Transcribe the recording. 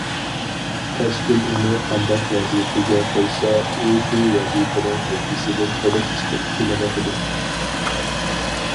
تەشكىل ئۇنى قانداق ۋەزىپىگە قويسا ئۇ شۇ ۋەزىپىنىڭ ھۆددىسىدىن تولۇق چىقىپ كېلىۋاتىدۇ.